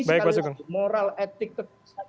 sekali lagi moral etik kekuasaan